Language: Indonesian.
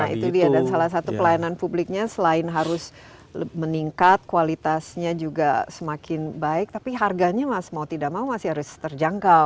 nah itu dia dan salah satu pelayanan publiknya selain harus meningkat kualitasnya juga semakin baik tapi harganya mau tidak mau masih harus terjangkau